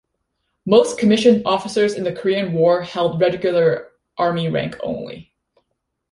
Most commissioned officers in the Korean War held Regular Army rank only.